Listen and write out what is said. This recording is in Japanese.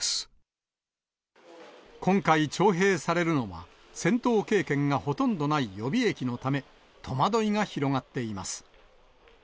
今回、徴兵されるのは、戦闘経験がほとんどない予備役のため、戸惑いが広がっています。